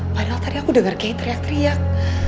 padahal tadi aku denger kei teriak teriak